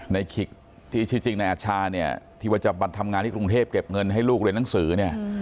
ในคลิกที่จริงนายอัฐชาเนี่ยที่วันจับบัตรทำงานที่กรุงเทพเก็บเงินให้ลูกเรียนหนังสือเนี่ย